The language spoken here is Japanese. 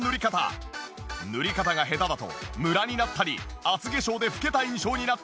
塗り方が下手だとムラになったり厚化粧で老けた印象になったり。